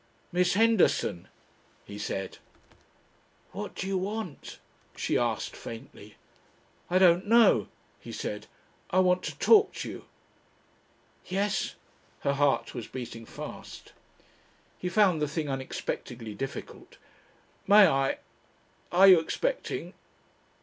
"Miss Henderson," he said. "What do you want?" she asked faintly. "I don't know," he said.... "I want to talk to you." "Yes?" Her heart was beating fast. He found the thing unexpectedly difficult. "May I ? Are you expecting